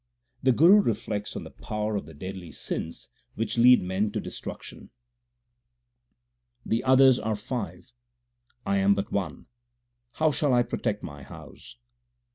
The Guru reflects on the power of the deadly sins which lead men to destruction : The others l are five, I am but one ; how shall I protect my house